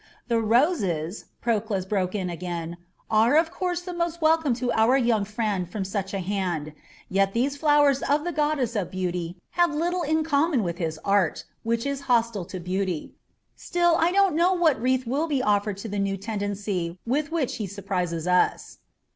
"The roses," Proclus broke in again, "are of course the most welcome to our young friend from such a hand; yet these flowers of the goddess of Beauty have little in common with his art, which is hostile to beauty. Still, I do not know what wreath will be offered to the new tendency with which he surprised us."